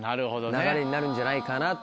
流れになるんじゃないかなと。